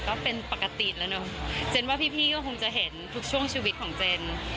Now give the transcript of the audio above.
ก็เป็นปกติแล้วเนอะเจนว่าพี่ก็คงจะเห็นทุกช่วงชีวิตของเจน